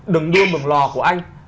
đường đua mường lò của anh